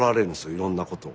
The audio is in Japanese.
いろんなことを。